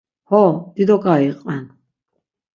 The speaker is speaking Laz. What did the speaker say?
Ho, dido k̆ai iqven.